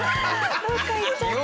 どっか行っちゃった。